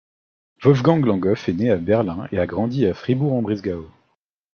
Wolfgang Langhoff est né à Berlin et a grandi à Fribourg-en-Brisgau.